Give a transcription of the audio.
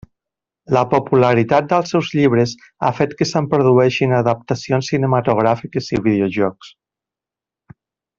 La popularitat dels seus llibres ha fet que se'n produeixin adaptacions cinematogràfiques i videojocs.